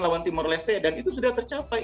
lawan timur leste dan itu sudah tercapai